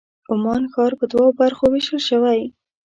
عمان ښار په دوو برخو وېشل شوی.